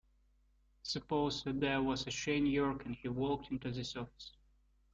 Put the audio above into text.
Suppose there was a Shane York and he walked into this office.